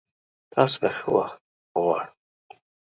تاسو ته ښه وخت غوړم!